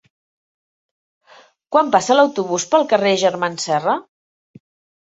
Quan passa l'autobús pel carrer Germans Serra?